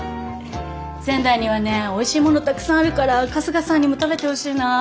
仙台にはねおいしいものたくさんあるから春日さんにも食べてほしいな。